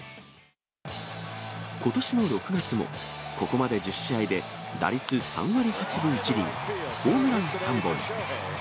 ことしの６月も、ここまで１０試合で打率３割８分１厘、ホームラン３本。